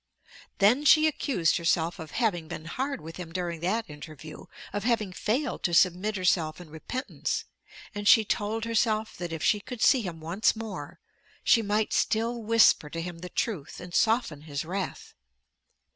Then she accused herself of having been hard with him during that interview, of having failed to submit herself in repentance, and she told herself that if she could see him once more, she might still whisper to him the truth and soften his wrath.